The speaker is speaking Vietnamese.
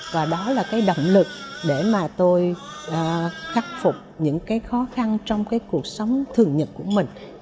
và đó là cái động lực để mà tôi khắc phục những cái khó khăn trong cái cuộc sống thường nhật của mình